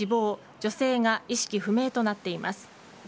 女性が意識不明となっています。